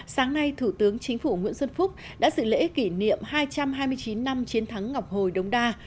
sáng nay thủ tướng chính phủ nguyễn xuân phúc đã dự lễ kỷ niệm hai trăm hai mươi chín năm chiến thắng ngọc hồi đống đa